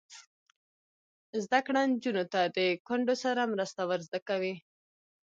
زده کړه نجونو ته د کونډو سره مرسته ور زده کوي.